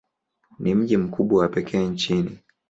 Ni mji mkubwa wa pekee nchini.